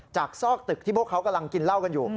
ซอกตึกที่พวกเขากำลังกินเหล้ากันอยู่